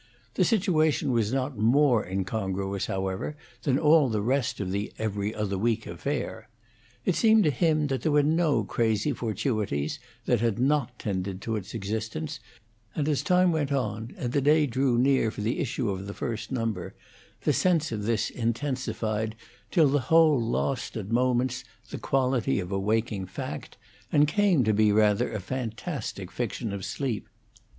The situation was not more incongruous, however, than all the rest of the 'Every Other Week' affair. It seemed to him that there were no crazy fortuities that had not tended to its existence, and as time went on, and the day drew near for the issue of the first number, the sense of this intensified till the whole lost at moments the quality of a waking fact, and came to be rather a fantastic fiction of sleep.